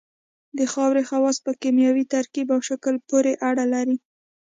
د خاورې خواص په کیمیاوي ترکیب او شکل پورې اړه لري